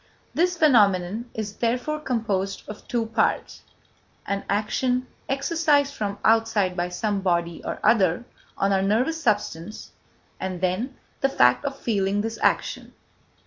This phenomenon is therefore composed of two parts: an action exercised from outside by some body or other on our nervous substance; and, then, the fact of feeling this action.